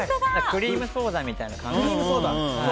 クリームソーダみたいな感じに。